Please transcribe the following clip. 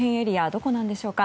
どこなんでしょうか。